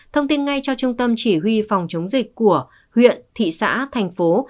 thông tin ngay cho trung tâm chỉ huy phòng chống dịch của huyện thị xã thành phố